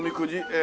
え